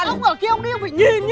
ông ở kia ông đi ông phải nhìn nhá